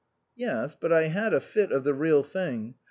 " Yes. But I had a fit of the real thing.